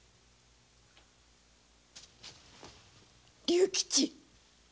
竜吉！